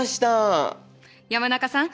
山中さん